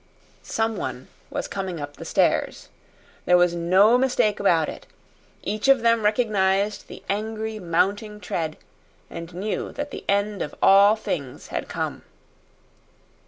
Someone was coming up the stairs. There was no mistake about it. Each of them recognized the angry, mounting tread and knew that the end of all things had come.